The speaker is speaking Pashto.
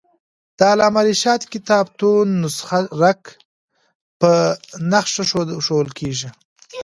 د علامه رشاد کتابتون نسخه رک په نخښه ښوول کېږي.